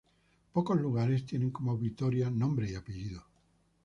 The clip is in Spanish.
Pocos lugares tienen como Vitoria nombre y apellido.